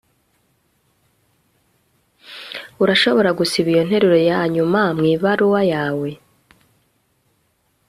Urashobora gusiba iyo nteruro yanyuma mu ibaruwa yawe